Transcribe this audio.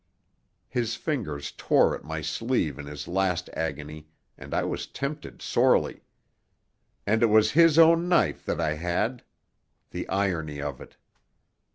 His fingers tore at my sleeve in his last agony, and I was tempted sorely. And it was his own knife that I had. The irony of it!